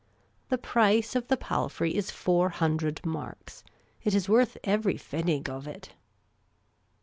The price of the palfrey is four hundred marks. It is worth every pfennig of it."